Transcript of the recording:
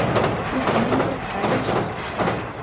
Ніхто нам не прадставіўся.